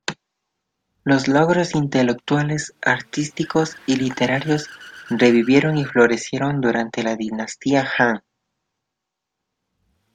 Los logros intelectuales, artísticos y literarios revivieron y florecieron durante la dinastía Han.